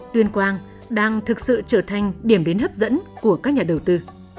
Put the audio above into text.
tuyên quang đang thực sự trở thành điểm đến hấp dẫn của các nhà đầu tư